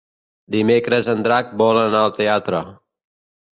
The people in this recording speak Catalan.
Dimecres en Drac vol anar al teatre.